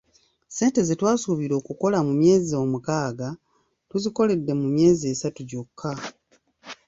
Ssente ze twasuubira okukola mu myezi omukaaga, tuzikoledde mu myezi esatu gyokka.